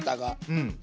うん。